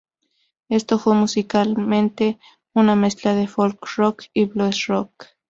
Esto fue musicalmente una mezcla de folk rock y blues rock.